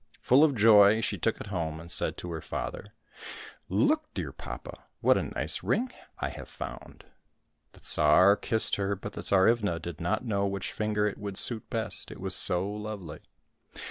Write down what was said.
Full of joy she took it home, and said to her father, " Look, dear papa ! what a nice ring I have found !" The Tsar kissed her, but the Tsarivna did not know which^finger it would suit best, it was so lovely.